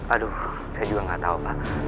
aduh saya juga gak tau pak